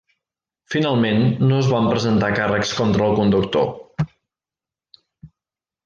Finalment no es van presentar càrrecs contra el conductor.